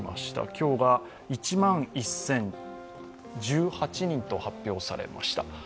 今日が１万１０１８人と発表されました